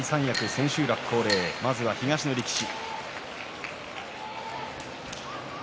千秋楽恒例まずは東の力士。